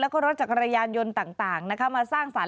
แล้วก็รถจักรยานยนต์ต่างนะคะมาสร้างสาร